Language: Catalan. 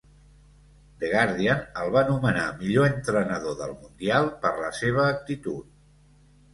The Guardian el va nomenar "Millor entrenador del mundial" per la seva actitud.